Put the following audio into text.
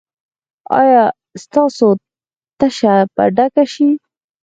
ایا ستاسو تشه به ډکه شي؟